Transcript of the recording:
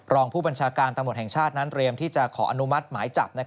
รองผู้บัญชาการตำรวจแห่งชาตินั้นเตรียมที่จะขออนุมัติหมายจับ